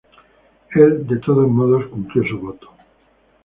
Él, de todos modos, cumplió su voto.